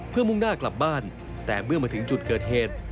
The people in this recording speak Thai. เพื่อมุ่งหน้ากลับบ้านแต่เมื่อมาถึงจุดเกิดเหตุ